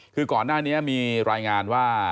คือก่อนหน้านี้มีรายงานว่า